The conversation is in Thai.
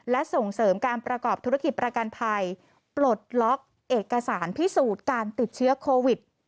และส่งเสริมการประกอบธุรกิจประกันภัยปลดล็อกเอกสารพิสูจน์การติดเชื้อโควิด